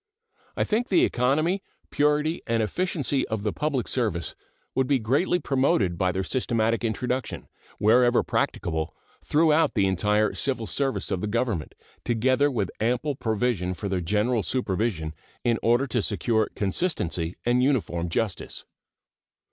I think the economy, purity, and efficiency of the public service would be greatly promoted by their systematic introduction, wherever practicable, throughout the entire civil service of the Government, together with ample provision for their general supervision in order to secure consistency and uniform justice.